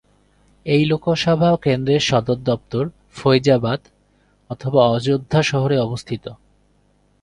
এই লোকসভা কেন্দ্রের সদর দফতর ফৈজাবাদ/অযোধ্যা শহরে অবস্থিত।